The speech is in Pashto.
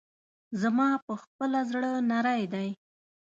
زما پخپله زړه نری دی.